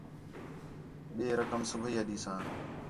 ٻئے رقم صُبیح ݙیسوں